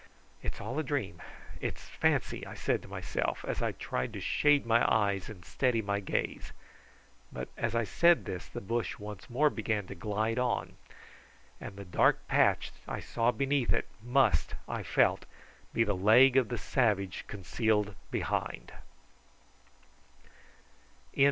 "It's all a dream it is fancy," I said to myself, as I tried to shade my eyes and steady my gaze; but as I said this the bush once more began to glide on, and the black patch I saw beneath it must, I felt, be the leg of the savage concealed behind.